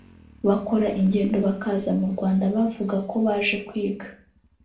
bakora ingendo bakaza mu Rwanda bavuga ko baje kwiga